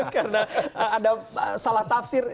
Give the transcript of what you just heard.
karena ada salah tafsir